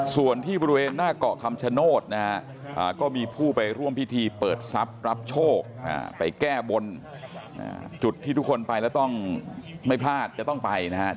ส่วนที่บริเวณหน้าเกาะคำชโนธนะฮะก็มีผู้ไปร่วมพิธีเปิดทรัพย์รับโชคไปแก้บนจุดที่ทุกคนไปแล้วต้องไม่พลาดจะต้องไปนะครับ